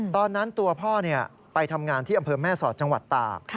ตอนนั้นตัวพ่อไปทำงานที่อำเภอแม่สอดจังหวัดตาก